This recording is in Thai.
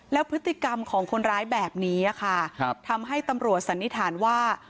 แล้วพฤติกรรมของคนร้ายแบบนี้ค่ะทำให้ตำรวจสันนิษฐานว่า